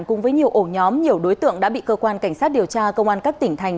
cùng với nhiều ổ nhóm nhiều đối tượng đã bị cơ quan cảnh sát điều tra công an các tỉnh thành